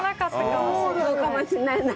そうかもしれないね。